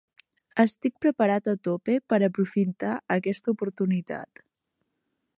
Estic preparat a tope per aprofitar aquesta oportunitat.